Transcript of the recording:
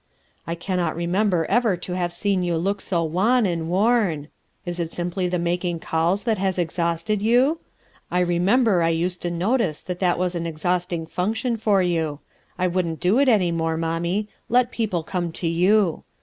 "I cannot remember ever to have seen you look so wan and worn. Is it simply the making calls that has exhausted you? I remember I used to notice that that was an exhausting function for you. I wouldn't do it any more, Mommie ; let people come to you.